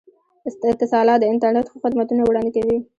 اتصالات د انترنت ښه خدمتونه وړاندې کوي.